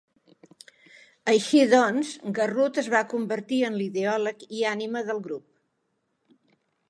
Així doncs, Garrut es va convertir en l'ideòleg i ànima del grup.